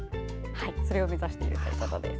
それを目指しているそうです。